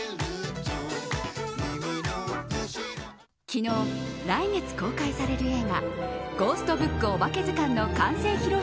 昨日、来月公開される映画「ゴーストブックおばけずかん」の完成披露